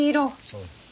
そうです。